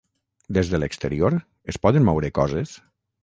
Des de l’exterior, es poden moure coses?